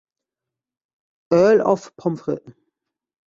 Earl of Pomfret.